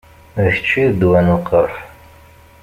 D kečč i d ddwa n lqerḥ.